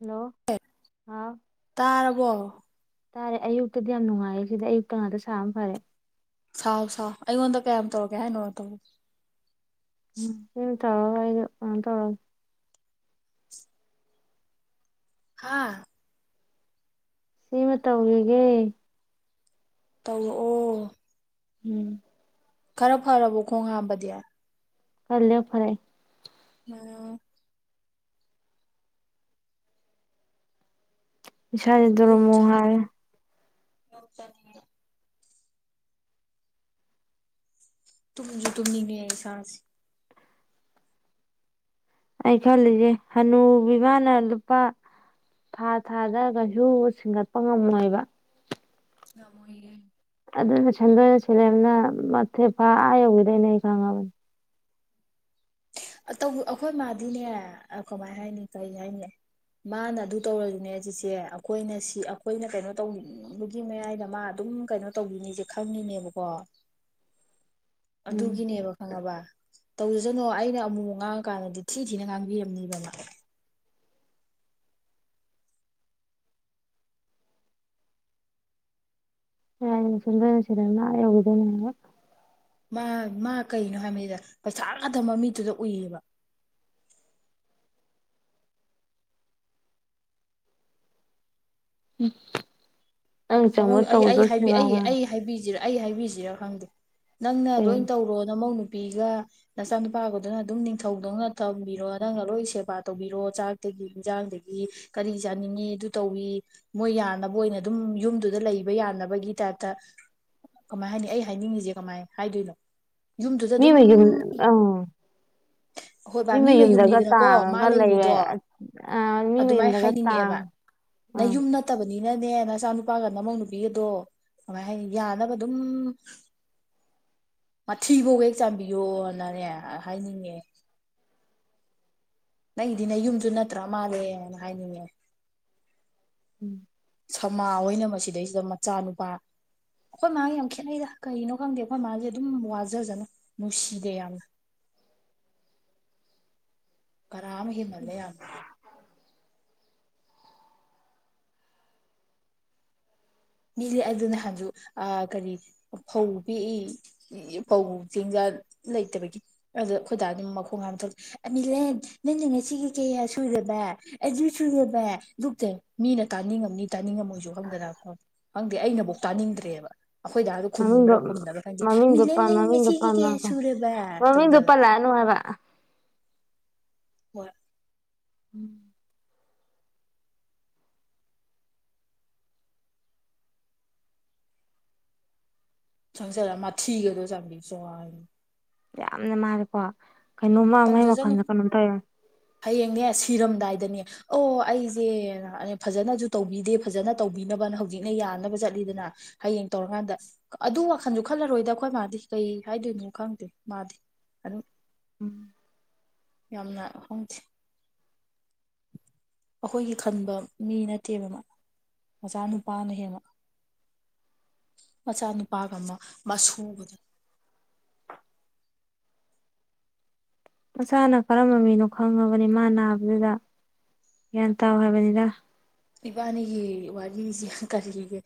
hello ꯑꯦ ꯍꯥꯎ ꯇꯥꯔꯕꯣ ꯇꯥꯔꯦ ꯑꯌꯨꯛꯇꯗꯤ ꯌꯥꯝ ꯅꯨꯡꯉꯥꯏꯌꯦ ꯁꯤꯗ ꯑꯌꯨꯛꯇ ꯉꯥꯛꯇ ꯁꯥꯅꯕꯅ ꯐꯔꯦ ꯁꯥꯎ ꯁꯥꯎ ꯑꯩꯉꯣꯟꯗ ꯀꯌꯥꯝ ꯇꯧꯔꯛꯀꯦ ꯍꯥꯏꯅꯣ ꯇꯧꯔꯣ ꯎꯝ ꯅꯪ ꯇꯧꯔꯒ ꯑꯩꯅ ꯑꯃꯨꯛ ꯇꯧꯔꯛ ꯍꯥꯥ ꯁꯤꯃ ꯇꯧꯒꯤꯒꯦ ꯇꯧꯔꯛꯑꯣ ꯎꯝ ꯈꯔ ꯐꯔꯕꯣ ꯈꯣꯡ ꯍꯥꯝꯕꯗꯤ ꯈꯔ ꯂꯦꯞꯈꯔꯦ ꯎꯝ ꯏꯁꯥꯁꯦ ꯌꯨꯝ ꯗꯣꯔꯣꯃꯣ ꯍꯥꯏꯔꯦ ꯆꯠꯅꯤꯡꯉꯤ ꯌꯨꯝ ꯆꯠꯅꯤꯡꯉꯦ ꯇꯨꯝꯖꯨ ꯇꯨꯝꯅꯤꯡꯉꯦ ꯏꯁꯥꯁꯦ ꯑꯩ ꯈꯜꯂꯤꯖꯦ ꯍꯥꯅꯨꯕꯤ ꯃꯥꯅ ꯂꯨꯄꯥ ꯊꯥ ꯊꯥꯗ ꯒꯩꯁꯨꯨ ꯁꯤꯡꯒꯠꯄ ꯉꯝꯃꯣꯏꯕ ꯉꯝꯃꯣꯏꯌꯦ ꯑꯗꯨꯅ ꯁꯦꯟꯗꯣꯏꯒ ꯁꯂꯦꯞꯅ ꯃꯊꯦ ꯐꯥ ꯑ ꯌꯧꯒꯤꯗꯣꯏꯅꯦ ꯑꯩ ꯈꯪꯉꯕꯅꯦ ꯑꯇꯧꯕ ꯑꯩꯈꯣꯏ ꯃꯥꯗꯤꯅꯦ ꯑꯥ ꯀꯃꯥꯏ ꯍꯥꯏꯅꯤ ꯀꯔꯤ ꯍꯥꯏꯅꯤ ꯃꯥꯅ ꯑꯗꯨ ꯇꯧꯔꯁꯨꯅꯦ ꯆꯤꯆꯦ ꯑꯈꯣꯏꯅ ꯁꯤ ꯑꯈꯣꯏꯅ ꯀꯩꯅꯣ ꯇꯧꯅꯤꯡꯕꯒꯤ ꯃꯌꯥꯏꯗ ꯃꯥ ꯑꯗꯨꯝ ꯀꯩꯅꯣ ꯇꯧꯗꯣꯏꯅꯤꯖꯦ ꯈꯪꯉꯤꯅꯦꯕꯀꯣ ꯎꯝ ꯑꯗꯨꯒꯤꯅꯦꯕ ꯈꯪꯉꯥꯕ ꯇꯧꯖꯖꯥꯅꯣ ꯑꯩꯅ ꯑꯃꯨꯛ ꯃꯨꯛ ꯉꯥꯡꯉꯀꯥꯟꯗꯗꯤ ꯊꯤ ꯊꯤꯅ ꯉꯥꯡꯕꯤꯔꯝꯅꯤꯕ ꯃꯥ ꯎꯝ ꯁꯦꯟꯗꯣꯏꯅ ꯁꯦꯂꯦꯞꯅ ꯑ ꯌꯧꯒꯤꯗꯣꯏꯅꯦ ꯃꯥ ꯃꯥ ꯃꯥ ꯀꯩꯅꯣ ꯍꯥꯏꯕꯅꯤꯗ ꯄꯩꯁꯥ ꯉꯥꯛꯇ ꯃꯃꯤꯠꯇꯨꯗ ꯎꯏ ꯑꯕ ꯍꯨꯝ ꯃꯃꯧꯗ ꯑꯩ ꯑꯩ ꯍꯥꯏꯕꯤ ꯑꯩ ꯑꯩ ꯍꯥꯏꯕꯤ ꯖꯤꯔꯥ ꯑꯩ ꯍꯥꯏꯕꯤꯖꯤꯔꯥ ꯈꯪꯗꯦ ꯅꯪꯅ ꯀꯩ ꯂꯣꯏ ꯇꯧꯔꯣ ꯅꯃꯧ ꯅꯨꯄꯤꯒ ꯅꯆꯥꯅꯨꯄꯥꯒꯗꯨꯅ ꯑꯗꯨꯝ ꯅꯤꯡꯊꯧꯗꯧꯅ ꯊꯝꯕꯤꯔꯣ ꯅꯪꯅ ꯂꯣꯏ ꯁꯦꯕꯥ ꯇꯧꯕꯤꯔꯣ ꯆꯥꯛ ꯇꯒꯤ ꯏꯟꯖꯥꯡꯗꯒꯤ ꯀꯔꯤ ꯆꯥꯅꯤꯡꯉꯤ ꯑꯗꯨ ꯇꯧꯋꯤ ꯃꯣꯏ ꯌꯥꯅꯕ ꯑꯣꯏꯅ ꯑꯗꯨꯝ ꯌꯨꯝ ꯑꯗꯨꯗ ꯂꯩꯕ ꯌꯥꯅꯕꯒꯤ ꯇꯥꯏꯞꯇ ꯀꯃꯥꯏ ꯍꯥꯏꯅꯤ ꯑꯩ ꯍꯥꯏꯅꯤꯡꯉꯤꯖꯦ ꯀꯃꯥꯏ ꯍꯥꯏꯗꯣꯏꯅꯣ ꯌꯨꯝꯗꯨꯗ ꯃꯤ ꯑꯗꯨꯝ ꯃꯌꯨꯝ ꯑꯥ ꯍꯣꯏꯕ ꯃꯤ ꯃꯌꯨꯝꯗꯒ ꯃꯌꯨꯝꯅꯤꯗꯅꯀꯣ ꯃꯥ ꯇꯥꯡꯉꯒ ꯂꯩꯔꯦ ꯂꯩꯔꯤꯗꯣ ꯑꯥ ꯃꯤ ꯑꯗꯨꯃꯥꯏꯅ ꯃꯌꯨꯝꯗꯒ ꯇꯥꯡ ꯍꯥꯏꯅꯤꯡꯉꯛꯑꯦꯕ ꯑꯥ ꯅꯌꯨꯝ ꯅꯠꯇꯕꯅꯤꯅꯅꯦ ꯅꯆꯥꯅꯨꯞ ꯄꯥꯒ ꯅꯃꯧ ꯅꯨꯄꯤꯒꯗꯣ ꯀꯃꯥꯏ ꯍꯥꯏꯅꯤ ꯌꯥꯅꯕ ꯑꯗꯨꯝ ꯃꯊꯤꯕꯥꯎ ꯍꯦꯛ ꯆꯥꯟꯕꯤꯌꯣꯅꯅꯦ ꯑꯥ ꯍꯥꯏꯅꯤꯡꯉꯦ ꯅꯪꯒꯤꯗꯤ ꯅꯌꯨꯝꯖꯨ ꯅꯠꯇ꯭ꯔ ꯃꯥꯜꯂꯦꯅ ꯍꯥꯏꯅꯤꯡꯉꯛꯑꯦ ꯎꯝ ꯁꯃꯥ ꯍꯣꯏꯅ ꯃꯁꯤꯗꯩꯁꯤꯗ ꯃꯆꯥꯅꯨꯄꯥ ꯑꯈꯣꯏ ꯃꯥꯒ ꯌꯥꯝ ꯈꯦꯠꯅꯩꯗ ꯀꯩꯅꯣ ꯈꯪꯗꯦ ꯑꯈꯣꯏ ꯃꯥꯖꯦ ꯑꯗꯨꯝ ꯋꯥꯖꯖꯅꯨ ꯅꯨꯡꯁꯤꯗꯦ ꯌꯥꯝꯅ ꯀꯔꯥ ꯑꯃ ꯍꯦꯟꯃꯜꯂꯦ ꯌꯥꯝꯅ ꯃꯤꯗꯤ ꯑꯗꯨ ꯅꯍꯥꯟꯖꯨ ꯑ ꯀꯔꯤ ꯐꯧ ꯄꯦꯛꯏ ꯄꯧ ꯆꯦꯡꯖ ꯂꯩꯇꯕꯒꯤ ꯑꯗꯨ ꯑꯩꯈꯣꯏ ꯗꯥꯗꯤ ꯃꯈꯣꯡ ꯍꯥꯝ ꯊꯣꯛ ꯑꯅꯤꯂꯦꯟ ꯅꯪꯅ ꯉꯁꯤꯒꯤ ꯀꯌꯥ ꯁꯨꯔꯕ ꯑꯗꯨ ꯁꯨꯔꯕ ꯗꯥꯛꯇꯔ ꯃꯤꯅ ꯇꯥꯅꯤꯡꯉꯝꯅꯤ ꯇꯥꯅꯤꯡꯉꯝꯃꯣꯏꯁꯨ ꯈꯪꯗꯅ ꯈꯪꯗꯦ ꯑꯩꯅꯐꯧ ꯇꯥꯅꯤꯡꯗ꯭ꯔꯦꯕ ꯑꯩꯈꯣꯏ ꯗꯥꯗꯣ ꯃꯃꯤꯡꯗꯣ ꯈꯨꯝꯕ꯭ꯔꯥ ꯈꯨꯝꯗ꯭ꯕꯔꯥ ꯈꯪꯗꯦ ꯃꯃꯤꯡꯗꯣ ꯃꯤꯂꯟ ꯄꯜ ꯅꯪ ꯃꯃꯤꯡꯗꯣ ꯉꯁꯤꯒꯤ ꯀꯌꯥ ꯄꯜꯂꯅꯨ ꯁꯨꯔꯕ ꯃꯃꯤꯡꯗꯣ ꯇꯧꯗꯕ ꯄꯜꯂꯛꯑꯅꯨ ꯍꯥꯏꯕ ꯍꯣꯏ ꯎꯝ ꯆꯪꯖꯤꯜꯂꯒ ꯃꯊꯤꯒꯗꯣ ꯆꯥꯕꯤ ꯆꯣꯡꯉꯅꯤ ꯌꯥꯝꯅ ꯃꯥꯅꯦꯀꯣ ꯀꯩꯅꯣꯃ ꯃꯥꯏ ꯇꯧꯖꯖꯅꯨ ꯋꯥꯈꯜꯗ ꯀꯩꯅꯣꯝ ꯇꯧꯋꯦ ꯍꯌꯦꯡꯅꯦ ꯁꯤꯔꯝꯗꯥꯏꯗꯅꯦ ꯑꯣ ꯑꯩꯁꯦ ꯅꯥꯍꯜꯗꯩꯩꯁꯨ ꯐꯖꯅꯁꯨ ꯇꯧꯕꯤꯗꯦ ꯐꯖꯅ ꯇꯧꯕꯤꯅꯕꯅ ꯍꯧꯖꯤꯛꯅ ꯌꯥꯅꯕ ꯆꯠꯂꯤꯗꯅ ꯍꯌꯦꯡ ꯇꯧꯔꯀꯥꯟꯗ ꯑꯗꯨ ꯋꯥꯈꯟꯁꯨ ꯈꯜꯂꯔꯣꯏꯗ ꯑꯩꯈꯣꯏ ꯃꯥꯗꯤ ꯀꯩ ꯍꯥꯏꯗꯣꯏꯅꯣ ꯈꯪꯗꯦ ꯃꯥꯗꯤ ꯑꯗꯨ ꯎꯝ ꯌꯥꯝꯅ ꯈꯪꯗꯦ ꯑꯩꯈꯣꯏꯒꯤ ꯈꯟꯕ ꯃꯤ ꯅꯠꯇꯦꯕ ꯃꯥ ꯃꯆꯥ ꯅꯨꯨꯄꯥꯅ ꯍꯦꯟꯅ ꯃꯆꯥꯅꯨꯄꯥꯒ ꯑꯃ ꯃꯁꯨꯒꯗꯨ ꯃꯆꯥꯅ ꯀꯔꯝꯕ ꯃꯤꯅꯣ ꯈꯪꯉꯕꯅꯤ ꯃꯥ ꯅꯥꯕꯗꯨꯗ ꯒ꯭ꯌꯥꯟ ꯇꯥꯎ ꯍꯥꯏꯕꯅꯤꯗ ꯏꯕꯥꯅꯤꯒꯤ ꯋꯥꯔꯤꯁꯤ ꯀꯔꯤꯒꯤ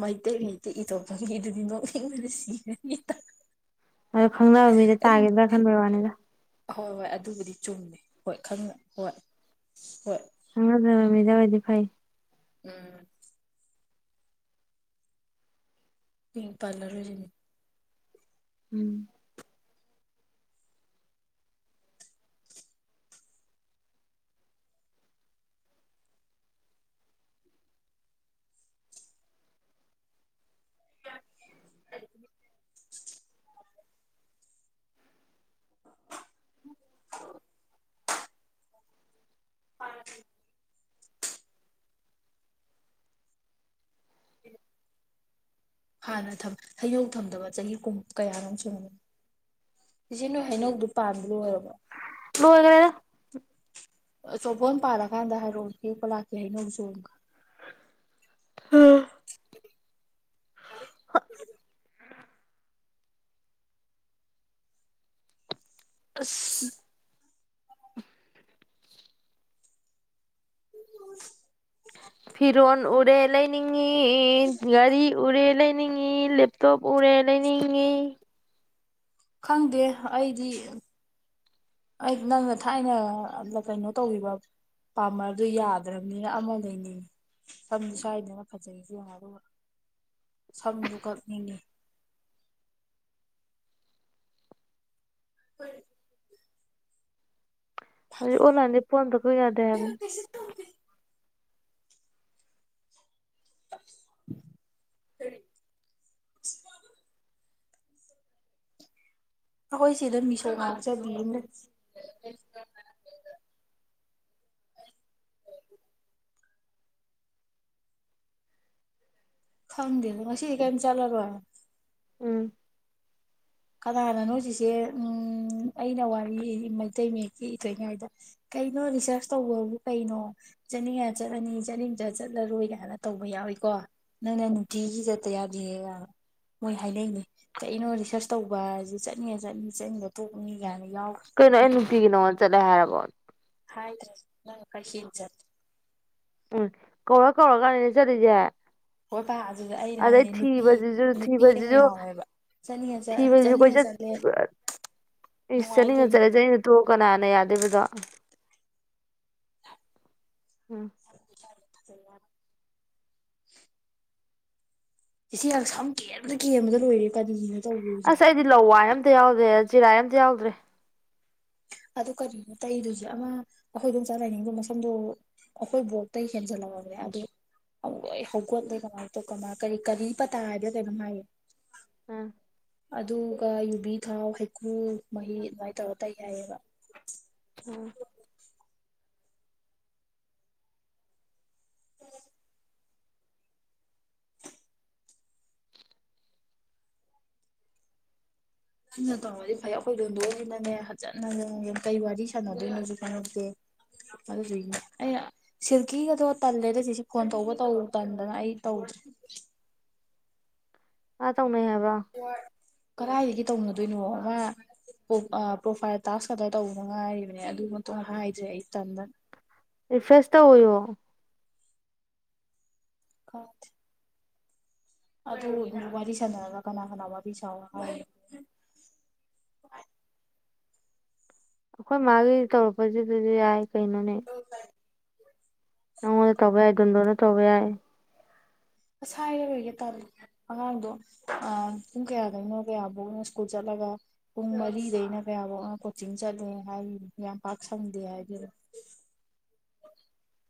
ꯃꯩꯇꯩ ꯃꯌꯦꯛꯇ ꯏꯊꯣꯛꯄꯒꯤ ꯗꯨꯗꯤ ꯅꯣꯛꯅꯤꯡꯕꯅꯥ ꯁꯤꯔꯅꯤꯗꯥ ꯑꯗꯣ ꯈꯪꯅꯕ ꯃꯤꯗ ꯇꯥꯒꯤꯗ꯭ꯔꯥ ꯈꯟꯕꯩ ꯋꯥꯅꯤꯗ ꯍꯣꯏ ꯍꯣꯏ ꯑꯗꯨꯕꯨꯗꯤ ꯆꯨꯝꯃꯦ ꯍꯣꯏ ꯈꯪꯅ ꯍꯣꯏ ꯍꯣꯏ ꯍꯪꯅꯖꯕꯃꯤꯗ ꯑꯣꯏꯗꯤ ꯐꯩ ꯎꯝ ꯃꯤꯡ ꯄꯜꯂ ꯔꯣꯏꯁꯤ ꯎꯝ ꯑꯗꯨ ꯖꯤꯞ ꯖꯤꯞ [inaudible] ꯐꯥꯟꯗꯤ ꯍꯥꯟꯅ ꯊꯝ ꯍꯩꯌꯧ ꯊꯝꯗꯕ ꯆꯍꯤ ꯀꯨꯝ ꯀꯌꯥꯅꯣꯝ ꯁꯨꯔꯝꯒ ꯏꯆꯦ ꯅꯣꯏ ꯍꯩꯅꯧꯗꯨ ꯄꯥꯟꯕ ꯂꯣꯏꯔꯕꯣ ꯂꯣꯏꯒꯔ꯭ꯦꯗꯥ ꯑꯆꯧꯕꯥꯝ ꯄꯥꯜꯂꯀꯥꯟꯗ ꯍꯥꯏꯔꯛꯑꯣ ꯍꯦꯛꯄ ꯂꯥꯛꯀꯦ ꯍꯩꯅꯧ ꯁꯨ ꯍ inaudible ꯑꯁ [inaudible] ꯐꯤꯔꯣꯟ ꯎꯔꯦ ꯂꯩꯅꯤꯡꯉꯤ ꯒꯥꯔꯤ ꯎꯔꯦ ꯂꯩꯅꯤꯡ ꯉꯤ ꯂꯦꯞ ꯇꯣꯞ ꯎꯔꯦ ꯂꯩꯅꯤꯡꯉꯤ ꯈꯪꯗꯦ ꯑꯩꯗꯤ ꯑꯩꯗꯤ ꯅꯪꯅ ꯊꯥꯏꯅ ꯀꯩꯅꯣ ꯇꯧꯒꯤꯕꯥ ꯄꯥꯃꯗꯨ ꯌꯥꯗ꯭ꯔꯕꯅꯤꯅ ꯑꯃ ꯂꯩꯅꯤꯡꯉꯦ ꯁꯝꯁꯨ ꯁꯏꯗꯅ ꯐꯖꯩ ꯑꯗꯨꯒ ꯁꯝꯁꯨ ꯀꯛꯅꯤꯡꯉꯤ ꯐꯣꯏ inaudible ꯍꯧꯖꯤꯛ ꯑꯣꯟꯂꯥꯏꯟꯗꯩ ꯄꯨꯣꯠ ꯑꯝꯇ ꯀꯛꯄ ꯌꯥꯗꯦ ꯍꯥꯏꯕꯅꯤ ꯏꯁꯨ ꯇꯣꯝꯕꯤ ꯑꯁ ꯀꯔꯤ ꯑꯩꯈꯣꯏ ꯆꯦꯗꯣ ꯃꯤꯁꯧ ꯉꯥꯛ ꯆꯡꯉꯦ ꯈꯪꯗꯦꯉꯣ ꯉꯁꯤꯗꯤ ꯀꯩꯝ ꯆꯠꯂꯔꯣꯏ ꯎꯝ ꯀꯅꯥꯅꯣ ꯅꯣꯏ ꯆꯤꯆꯦ ꯎꯝ ꯑꯩꯅ ꯋꯥꯔꯤ ꯃꯩꯇꯩ ꯃꯌꯦꯛꯀꯤ ꯏꯇꯣꯏꯉꯩꯗ ꯀꯩꯅꯣ ꯔꯤꯁꯔꯁ ꯇꯧꯕꯕꯨ ꯀꯩꯅꯣ ꯆꯅꯤꯉ ꯆꯠꯂꯅꯤ ꯆꯅꯤꯆꯥꯠ ꯆꯠꯂꯔꯣꯏ ꯀꯥꯏꯅ ꯇꯧꯕ ꯌꯥꯎꯏꯀꯣ ꯅꯪꯅ ꯅꯨꯡꯇꯤꯒꯤ ꯆꯠꯇ ꯌꯥꯗꯦꯒ ꯃꯣꯏ ꯍꯥꯏꯅꯩꯅꯦ ꯀꯩꯅꯣ ꯔꯤꯁꯔꯁ ꯇꯧꯕ ꯍꯥꯏꯁꯤ ꯆꯠꯅꯤꯡꯉ ꯆꯠꯅꯤ ꯆꯠꯅꯤꯡꯕ ꯇꯣꯛꯄꯅꯤ ꯀꯥꯏꯅ ꯌꯥꯎ ꯀꯩꯅꯣ ꯑꯩ ꯅꯨꯡꯇꯤꯒꯤ ꯅꯉꯗ ꯆꯠꯂꯦ ꯍꯥꯏꯔꯕꯣ ꯍꯥꯏꯗꯔꯤ [unintelligible] ꯎꯝ ꯀꯧꯔ ꯀꯧꯔꯒ ꯀꯅꯦ ꯆꯠꯂꯤꯁꯦ ꯍꯣꯏ ꯄꯥ ꯑꯗꯨꯗ ꯑꯩꯅ ꯑꯗꯦ ꯍꯥꯏꯅꯦ ꯅꯨꯄꯤ ꯊꯕꯖꯤꯖ ꯅꯨꯄꯤ ꯑꯃ ꯊꯕꯖꯤꯖ ꯌꯥꯎꯋꯦꯕ ꯆꯠꯅꯤꯡꯉ ꯊ ꯀꯣꯏ ꯆꯠꯅꯤꯡꯉ ꯆꯠꯂꯦ ꯆꯁꯥꯅꯤ ꯅꯨꯡꯉꯥꯏ ꯉ ꯀꯩꯅꯣ ꯆ ꯇꯣꯛ ꯀꯅꯥꯅ ꯌꯥꯗꯦꯕꯗꯣ [inaudible] [unintelligible] ꯏꯆꯦ ꯍ ꯁꯝ ꯀꯦꯟꯕꯗ ꯀꯦꯝꯕꯗ ꯂꯣꯏꯔꯦ ꯀꯗꯤꯒꯤꯅꯣ ꯇꯧꯕꯤꯨꯁꯦ ꯑꯁ ꯑꯩꯗꯤ ꯂꯋꯥꯏ ꯑꯝꯇ ꯌꯥꯎꯗ꯭ꯔꯦ ꯆꯤꯔꯥꯏ ꯑꯝꯇ ꯌꯥꯎꯗ꯭ꯔꯦ ꯑꯗꯨ ꯀꯔꯤꯅꯣ ꯇꯩꯗꯨꯣꯏꯁ ꯑꯃ ꯑꯩꯈꯣꯏꯗꯣꯝ ꯆꯠꯂꯅꯤꯡꯗꯨꯝ ꯃ ꯁꯝꯗꯣ ꯑꯩꯈꯣꯏ ꯕꯣꯛꯇꯩ ꯍꯦꯟ ꯍꯦꯟꯖꯤꯟ ꯂꯧꯔꯥꯃꯦ ꯑꯗꯨ ꯍꯣꯏ ꯍꯧꯒꯠꯗꯦ ꯀꯃꯥꯏꯅ ꯇꯧ ꯀꯃꯥꯏ ꯀꯔꯤ ꯀꯔꯤ ꯄꯇꯥ ꯍꯥꯏꯗ ꯀꯩꯅꯣ ꯍꯥꯏꯌꯦ ꯎꯝ ꯑꯗꯨꯒ ꯌꯨꯕꯤ ꯊꯥꯎ ꯍꯩꯀ꯭ꯔꯨ ꯃꯍꯤ ꯑꯗꯨꯃꯥꯏꯅ ꯇꯧꯔ ꯇꯩ ꯍꯥꯏꯏꯑꯕ ꯎꯝ ꯅꯪꯟꯅ ꯇꯧꯔꯗꯤ ꯐꯩ ꯑꯩꯈꯣꯏ ꯂꯣꯟꯗꯣꯛꯏꯁꯤꯅꯅꯦ ꯐꯖꯅ ꯀꯩ ꯋꯥꯔꯤ ꯁꯥꯟꯅꯗꯣꯏꯅꯣꯁꯨ ꯀꯩꯅꯧꯗꯦ [unintelligible] ꯁꯤꯜꯀꯤꯒꯗꯣ ꯇꯜꯂꯦꯗ ꯆꯤꯆꯦ ꯀꯣꯟ ꯇꯧꯕ ꯇꯧ ꯇꯟꯗꯅ ꯑꯩ ꯇꯧꯗ꯭ꯔꯔꯤ ꯃꯥ ꯇꯧꯅꯩ ꯍꯥꯏꯕ꯭ꯔꯣ ꯀꯗꯥꯏꯗꯒꯤ ꯇꯧꯅꯗꯣꯏꯅꯣ ꯑꯃ ꯄ꯭ꯔꯣꯐꯥꯏꯜ ꯇꯥꯛꯁ ꯈꯛꯇ ꯇꯧꯕ ꯉꯥꯏꯔꯤꯕꯅꯦ ꯑꯗꯨꯃꯇ ꯍꯥꯏꯗ꯭ꯔꯦ ꯑꯩ ꯏꯇꯝꯗ ꯔꯤꯐ꯭ꯔꯦꯁ ꯇꯧꯕꯣ [unintelligible] ꯑꯗꯨ ꯋꯥꯔꯤ ꯁꯥꯟꯅꯔꯒ ꯀꯅꯥ ꯀꯅꯥ ꯋꯥꯔꯤ ꯁꯥ ꯍꯥꯏꯦ ꯑꯩꯈꯣꯏ ꯃꯥꯒꯤ ꯇꯧꯔꯛꯄꯁꯤꯗꯗꯤ ꯌꯥꯏ ꯀꯩꯅꯣꯅꯦ [unintelligible] ꯅꯪꯉꯣꯟꯗ ꯇꯧꯕ ꯌꯥꯏ ꯗꯟꯗꯣꯅ ꯇꯧꯕ ꯌꯥꯏ ꯑꯁ ꯍꯥꯏꯔꯔꯣꯏꯗ ꯇꯜꯂꯦ ꯑꯉꯥꯡꯗꯣ ꯄꯨꯡ ꯀꯌꯥ ꯀꯩꯅꯣ ꯀꯌꯥꯐꯧꯅ ꯁ꯭ꯀꯨꯜ ꯆꯠꯂꯒ ꯄꯨꯡ ꯃꯔꯤꯗꯩꯅ ꯀꯌꯥꯐꯧꯅ ꯀꯣꯆꯤꯡ ꯆꯠꯂꯦ ꯍꯥꯏꯔꯤ ꯌꯥꯝ ꯄꯥꯛ ꯁꯪꯗꯦ ꯍꯥꯏꯗꯨꯗ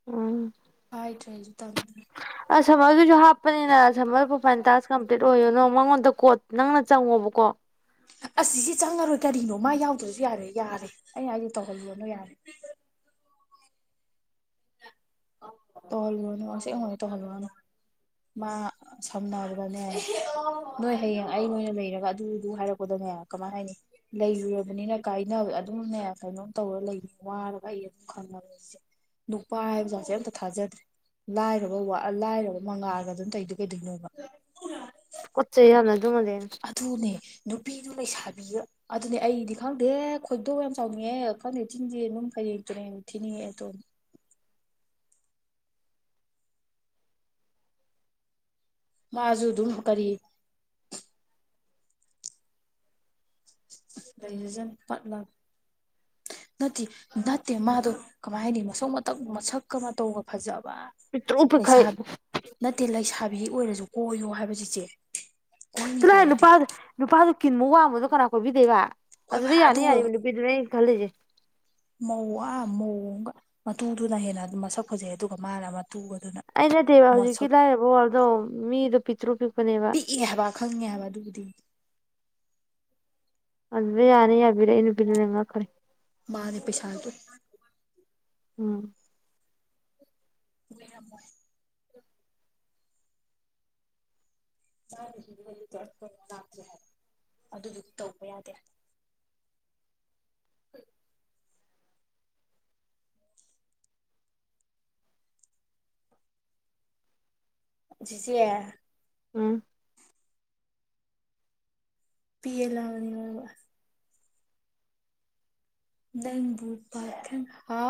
ꯎꯝ ꯍꯥꯏꯗ꯭ꯔꯦ ꯍꯥꯏꯁꯨ ꯊꯝꯗ꯭ꯔꯦ ꯑꯁ ꯁꯝꯃꯔꯗꯨꯁꯨ ꯍꯥꯞꯄꯅꯤꯅ ꯁꯝꯃꯔ ꯄ꯭ꯔꯣꯐꯥꯏꯟ ꯇꯥꯁ ꯀꯝꯄ꯭ꯂꯤꯠ ꯑꯣꯏꯌꯨꯅꯣ ꯃꯉꯣꯟꯗ ꯀꯣꯠ ꯅꯪꯅ ꯆꯪꯉꯣꯕꯀꯣ ꯑꯁꯤꯁꯦ ꯆꯪꯉꯔꯣꯏ ꯀꯔꯤꯅꯣ ꯃꯥ ꯌꯥꯎꯗ꯭ꯔꯁꯨ ꯌꯥꯔꯦ ꯌꯥꯔꯦ ꯑꯩ ꯍꯥꯏꯗꯦ ꯇꯧꯍꯌꯅꯣ ꯌꯥꯔꯦ ꯇ ꯍꯜꯋꯥꯅꯁꯦ ꯇ ꯍꯂꯋꯥꯅ ꯃꯥ ꯁꯝꯅꯕꯗꯅꯦ ꯅꯣꯏ ꯍꯌꯦꯡ ꯑꯩ ꯅꯣꯏꯅ ꯂꯩꯔꯒ ꯑꯗꯨꯗꯨ ꯍꯥꯏꯔꯛꯄꯗꯅꯦ ꯀꯃꯥꯏꯅ ꯍꯥꯏꯅꯤ ꯂꯩꯔꯨꯔꯕꯅꯤꯅ ꯀꯥꯏꯅꯕ ꯑꯗꯨꯝꯅꯦ ꯀꯩꯅꯣꯝ ꯇꯧꯔ ꯂꯩ ꯋꯥꯔꯒ ꯑꯩ ꯑꯗꯨꯝ ꯈꯪꯉꯁꯦ ꯙꯄꯥ ꯍꯥꯏꯕ ꯑꯝꯇ ꯊꯥꯖꯗ꯭ꯔꯦ ꯂꯥꯏꯔꯕ ꯂꯥꯏꯔꯕ ꯃꯉꯥꯜꯔꯒ ꯑꯗꯨꯝ ꯇꯩꯗꯣꯏ ꯀꯩꯗꯣꯏꯅꯣꯕ ꯀꯆ ꯆꯩ ꯌꯥꯝꯅ ꯑꯗꯨ ꯃꯗꯅ ꯑꯗꯨꯅꯦ ꯅꯨꯄꯤꯗꯨ ꯂꯩꯁꯥꯕꯤ ꯑꯗꯨꯅꯦ ꯑꯩꯗꯤ ꯈꯪꯗꯦ ꯈꯣꯏꯗꯣ ꯌꯥꯝ ꯆꯥꯎꯅꯤꯡꯉꯦ ꯈꯪꯗꯦ ꯆꯤꯟꯗꯤꯦ ꯑꯗꯨꯝ ꯍꯌꯦ ꯌꯦꯡ ꯇꯨꯅ ꯊꯤꯅꯤꯡꯉꯑꯦ ꯑꯗꯨꯣꯅꯦ ꯃꯥꯁꯨ ꯑꯗꯨꯝ ꯀꯔꯤ ꯂꯩ ꯍꯖꯅ ꯄꯠꯂ ꯅꯠꯇꯦ ꯅꯠꯇꯦ ꯃꯥꯗꯣ ꯀꯃꯥꯏ ꯍꯥꯢꯅꯤ ꯃꯁꯛ ꯃꯇꯧ ꯃꯁꯛꯀ ꯃꯇꯧꯒ ꯐꯖꯕ ꯄꯤꯛꯇ꯭ꯔꯨ ꯄꯤꯛꯈꯩ ꯂꯩꯁꯥ ꯅꯠꯇꯦ ꯂꯩꯁꯥꯕꯤ ꯑꯣꯏꯔꯁꯨ ꯀꯣꯏꯌꯣ ꯍꯥꯏꯕ ꯆꯤꯆꯦ ꯀꯣꯏꯅꯤ ꯆꯠꯂꯨꯍꯦ ꯀꯣꯏꯔꯗꯤ ꯅꯨꯄꯥꯗꯨ ꯅꯨꯄꯥꯗꯣ ꯀꯤꯟ ꯃꯨꯛ ꯋꯥꯡꯕꯗꯣ ꯀꯅꯥ ꯀꯣꯏꯕꯤꯗꯣꯢꯕ ꯀꯣꯏꯕ ꯑꯗꯨꯗ ꯌꯥꯅꯤ ꯑꯗꯨ ꯌꯥꯔꯤꯕ ꯗ ꯈꯜꯂꯤꯁꯤꯦ [inaudible] ꯃꯧ ꯑ ꯃꯧ ꯑꯃꯒ ꯃꯇꯨꯗꯨꯅ ꯍꯦꯟꯅ ꯑꯗꯨꯝ ꯃꯁꯛ ꯐꯖꯩ ꯑꯗꯨꯒ ꯃꯥꯅ ꯃꯇꯨꯒꯗꯨꯅ ꯑꯩ ꯅꯠꯇꯦꯕ ꯍꯧꯖꯤꯛꯀꯤ ꯃꯁꯛ ꯂꯥꯏꯔꯕ ꯋꯥꯔꯜꯗꯣ ꯃꯤꯗꯣ ꯄꯤꯛꯇ꯭ꯔꯨ ꯄꯤꯛꯄꯅꯦꯕ ꯑꯦ ꯍꯥꯏꯕ ꯈꯪꯉꯦ ꯍꯥꯏꯕ ꯑꯗꯨꯕꯨꯗꯤ ꯑꯗꯨꯗ ꯌꯥꯅꯤ ꯌꯥꯕꯤꯔꯛꯏꯕ ꯅꯨꯄꯤꯗꯨꯅ ꯍꯦꯟꯅ ꯉꯛꯈ꯭ꯔꯦ ꯃꯥꯅꯦ ꯄꯩꯁꯥꯗꯣ ꯎꯝ ꯂꯩꯔꯝꯃꯣꯢ ꯑꯗꯨꯗꯤ ꯇꯧꯕ ꯌꯥꯗꯦ [inaudible] ꯍ [inaudible] ꯆꯤꯆꯦ ꯎꯝ ꯄꯤꯌꯦ ꯂꯥꯛꯕꯅꯤꯉꯕ [inaudible] ꯄ ꯍꯥ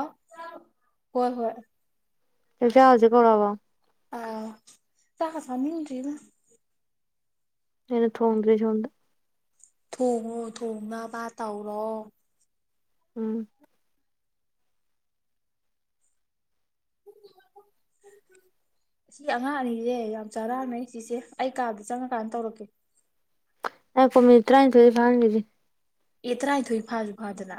ꯍꯣꯏ ꯍꯣꯏ [inaudible] ꯆꯥꯛ ꯆꯥꯔꯨꯔꯁꯦ ꯀꯧꯔꯛꯑꯕꯣ ꯑꯧ ꯆꯥꯛꯀ ꯆꯥꯅꯤꯡꯗ꯭ꯔꯤꯗꯥ ꯑꯩꯅ ꯊꯣꯡꯗ꯭ꯔꯤ ꯁꯣꯝꯗ ꯊꯣꯡꯉꯣ ꯊꯣꯡꯅꯕꯥ ꯇꯧꯔꯣ ꯎꯝ [inaudible] ꯁꯤ ꯑꯉꯥꯡ ꯑꯅꯤꯁꯦ ꯌꯥꯝ ꯆꯔꯥꯡꯅꯩ ꯆꯤꯆꯦ ꯑꯩ ꯀꯥꯗ ꯆꯪꯉꯀꯥꯟꯗ ꯇꯧꯔꯛꯀꯦ ꯉꯥꯢꯈꯣ ꯃꯤꯠꯅꯤꯠ ꯇꯔꯥꯅꯤꯊꯣꯢꯗꯤ ꯐꯥꯍꯟꯈꯤꯁꯤ ꯑꯦ ꯇꯔꯥꯅꯤꯊꯣꯏ ꯐꯥꯁꯨ ꯐꯥꯗꯅ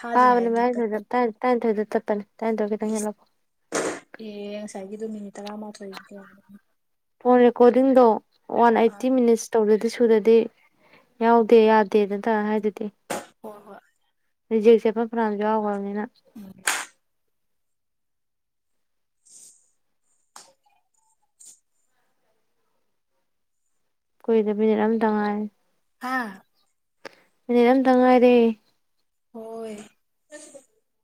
ꯐꯥꯗ꯭ꯔꯤꯉꯩꯗ ꯐꯥꯕꯅꯦ ꯑꯗꯨꯝ ꯃꯔꯊꯣꯏꯗ ꯇꯠꯄꯅꯤ ꯇ ꯇꯔꯥꯊꯣꯏꯗ ꯆꯠꯄꯅꯤ ꯇꯔꯥꯊꯣꯏ ꯇꯪ ꯄ꯭ꯂꯤꯁ ꯍꯦꯜꯂꯛꯑꯣ [inaudible] ꯑꯦ ꯉꯁꯥꯏꯒꯤꯗꯨ ꯃꯤꯅꯤꯠ ꯇꯔꯥꯃꯥꯊꯣꯏꯒꯤꯗꯤ ꯌꯥꯔꯅꯤ [inaudible] ꯐꯣꯟ ꯔꯦꯀꯣꯔꯗꯤꯡꯗꯣ ꯋꯥꯟ ꯑꯩꯠꯇꯤ ꯃꯤꯅꯤꯠꯁ ꯇꯧꯗꯗꯤ ꯁꯨꯗꯗꯤ ꯌꯥꯎꯗꯦ ꯌꯥꯗꯦ ꯅꯠꯇ꯭ꯔꯥ ꯍꯥꯏꯗꯨꯗꯤ ꯍꯣꯏ ꯍꯣꯏ ꯖꯦꯛꯁꯦ ꯐ ꯐ꯭ꯔꯥꯝꯁꯨ ꯌꯥꯎꯈ꯭ꯔꯕꯅꯤꯅ [inaudible] ꯎꯝ ꯀꯨꯏꯗꯦ ꯃꯤꯅꯠ ꯑꯃꯇꯪ ꯉꯥꯏꯔꯦ ꯍꯥꯥ ꯃꯤꯅꯠ ꯑꯃꯇꯪ ꯉꯥꯏꯔꯦ ꯍꯣꯏ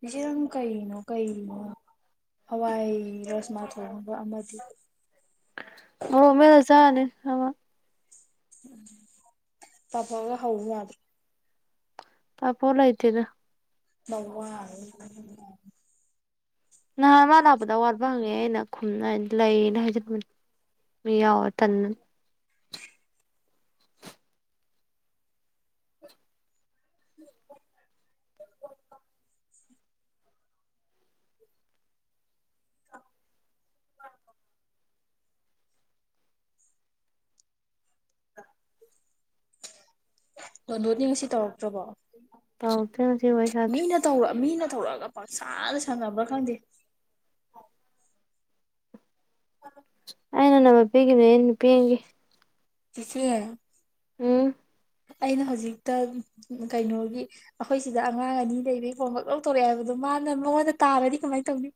ꯏꯆꯦ ꯅꯪ ꯀꯩꯅꯣ ꯀꯩꯅ ꯍꯋꯥꯏ ꯔꯥꯖꯃꯥ ꯊꯣꯡꯕ ꯑꯃꯗꯤ ꯑꯣ ꯃꯦꯂ ꯆꯅꯤꯦ ꯑ [inaudible] ꯄꯥꯐꯣꯔꯒ ꯍꯧ ꯌꯥꯗ꯭ꯔꯣ ꯄꯥꯐꯣꯔ ꯂꯩꯇꯦꯗ ꯃ [inaudible] ꯅꯍꯥꯟ ꯃꯥ ꯂꯥꯛꯄꯗ ꯑꯋꯥꯠꯄ ꯍꯪꯉꯦ ꯑꯩꯅ ꯈꯨꯝꯅꯅ ꯂꯩꯅ ꯍꯥꯏꯖꯟꯕꯅꯦ [inaudible] ꯃꯤ ꯌꯥꯋꯥ ꯇꯟꯅ [inaudible] ꯎꯝ [inaudible] [inaudible] ꯇꯣꯟꯗꯣꯟꯗꯤ ꯉꯁꯤ ꯇꯧꯔꯛꯇ꯭ꯔꯕꯣ ꯇꯧꯔꯛꯇ꯭ꯔꯦ ꯉꯁꯤ ꯋꯥꯔꯤ ꯁꯥꯗ꯭ꯔꯤ ꯃꯤꯅ ꯇꯧꯔ ꯃꯤꯅ ꯇꯧꯔꯛꯑꯒ ꯄꯪꯁꯥꯟꯗ ꯁꯥꯟꯅꯕ꯭ꯔ ꯈꯪꯗꯦ ꯑ ꯑꯩꯅ ꯅꯃ ꯄꯤꯒꯤꯅꯦ ꯑꯩꯅ ꯄꯦꯟꯒꯤ ꯆꯁꯔꯤ ꯎꯝ ꯑꯩꯅ ꯍꯧꯖꯤꯛꯇ ꯀꯩꯅꯣꯒꯤ ꯑꯩꯈꯣꯏ ꯁꯤꯗ ꯑꯉꯥꯡ ꯑꯅꯤ ꯂꯩꯕꯩ ꯄꯣꯝꯈꯛ ꯂꯧꯊꯧꯣꯔꯛꯑꯦ ꯍꯥꯏꯕꯗꯣ ꯃꯥꯅ ꯃꯉꯣꯟꯗ ꯇꯥꯔꯗꯤ ꯀꯃꯥꯏꯅ ꯇꯧꯅꯤ